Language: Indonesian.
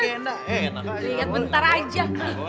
lihat bentar aja